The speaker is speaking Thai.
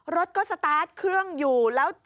รถก็สตาร์ทเครื่องอยู่แล้ว